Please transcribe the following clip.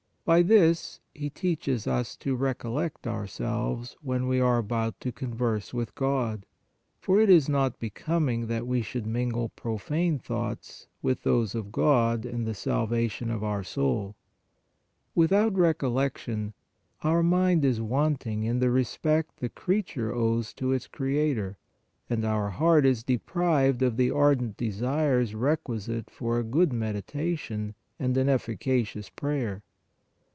By this He teaches us to recollect ourselves when we are about to converse with God, for it is not becom ing that we should mingle profane thoughts with those of God and the salvation of our soul. With out recollection our mind is wanting in the respect the creature owes to its Creator, and our heart is deprived of the ardent desires requisite for a good meditation and an efficacious prayer.